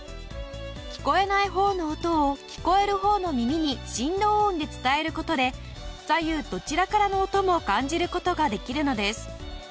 聞こえない方の音を聞こえる方の耳に振動音で伝える事で左右どちらからの音も感じる事ができるのです。